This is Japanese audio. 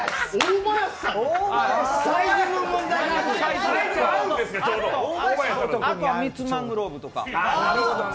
サイズ、あとはミッツ・マングローブとか。